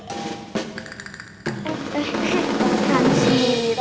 sedang ngapa kalian disini